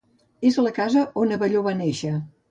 És la casa on Abelló va néixer.